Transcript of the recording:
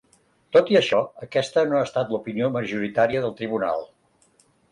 Tot i això, aquesta no ha estat l'opinió majoritària del tribunal.